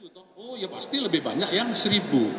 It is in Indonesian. ada isu oh ya pasti lebih banyak yang seribu